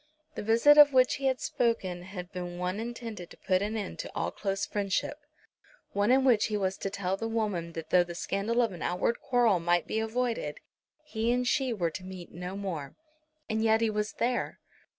The visit of which he had spoken had been one intended to put an end to all close friendship, one in which he was to tell the woman that though the scandal of an outward quarrel might be avoided, he and she were to meet no more. And yet he was there.